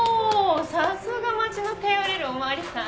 さすが町の頼れるお巡りさん！